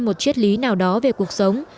một chiếc lý nào đó về cuộc sống